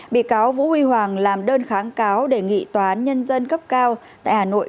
bị cáo vũ huy hoàng làm đơn kháng cáo đề nghị toán nhân dân cấp cao tại hà nội